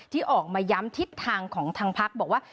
ที่ออกมาย้ำทิศทางของทางพักบอกว่า